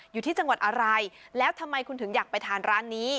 อยู่ที่จังหวัดอะไรแล้วทำไมคุณถึงอยากไปทานร้านนี้